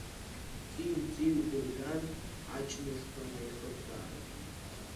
Ҵиу-ҵиу дырган аҷнышқәа наихыԥрааит.